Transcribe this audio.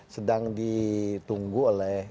sedang ditunggu oleh